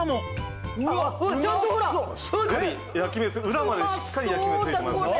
裏までしっかり焼き目ついてますよね。